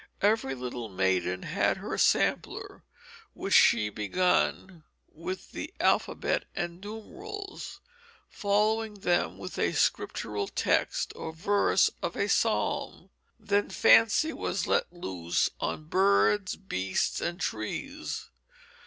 Every little maiden had her sampler which she begun with the alphabet and numerals, following them with a Scriptural text or verse of a psalm. Then fancy was let loose on birds, beasts and trees.